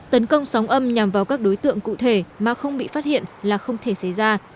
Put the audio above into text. tấn công sóng âm nhằm vào các đối tượng cụ thể mà không bị phát hiện là không thể xảy ra